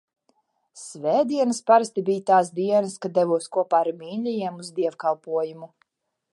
Svētdienas parasti bija tās dienas, kad devos kopā ar mīļajiem uz dievkalpojumu.